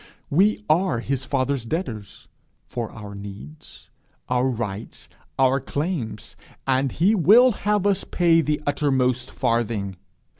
We are his father's debtors for our needs, our rights, our claims, and he will have us pay the uttermost farthing.